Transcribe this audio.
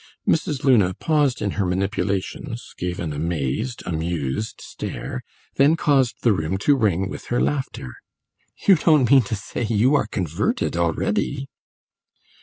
Mrs. Luna paused in her manipulations, gave an amazed, amused stare, then caused the room to ring with her laughter. "You don't mean to say you are converted already?"